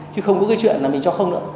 chứ không có chuyện mình cho không nữa